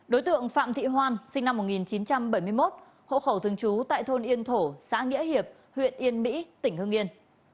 đối tượng phạm thị hoan sinh năm một nghìn chín trăm bảy mươi một hộ khẩu thường trú tại thôn yên thổ xã nghĩa hiệp huyện yên mỹ tỉnh hương yên